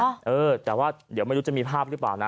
เออแต่ว่าเดี๋ยวไม่รู้จะมีภาพหรือเปล่านะ